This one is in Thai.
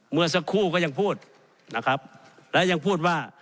เมื่อสักครู่ก็ยังพูดนะครับและยังพูดว่า